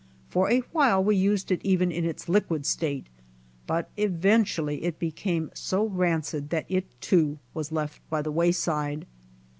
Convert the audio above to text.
For a while we used it even MORMON WOMEN 105 in its liquid state, but eventually it becamje so rancid that it, too, was left by the wayside.